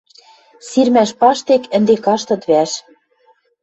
Сирмӓш паштек ӹнде каштыт вӓш.